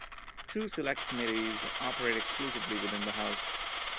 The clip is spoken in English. Two Select Committees operate exclusively within the House.